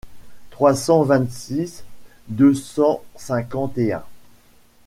trois cent vingt-six deux cent cinquante et un.